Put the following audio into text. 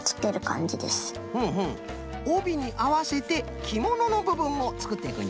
おびにあわせてきもののぶぶんもつくっていくんじゃな。